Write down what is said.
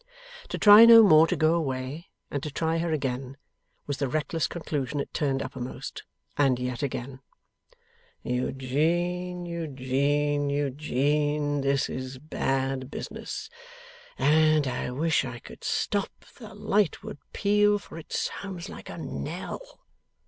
To try no more to go away, and to try her again, was the reckless conclusion it turned uppermost. And yet again, 'Eugene, Eugene, Eugene, this is a bad business!' And, 'I wish I could stop the Lightwood peal, for it sounds like a knell.